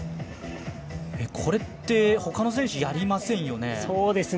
これってほかの選手やりませんよね。